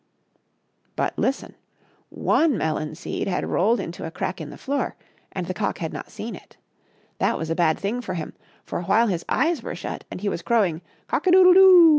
But listen! One melon seed had rolled into a crack in the floor, and the cock had not seen it. That was a bad thing for him, for while his eyes were shut and he was crowing "cock a doodle do!"